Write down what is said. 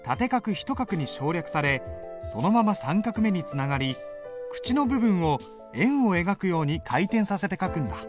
１画に省略されそのまま３画目につながり「口」の部分を円を描くように回転させて書くんだ。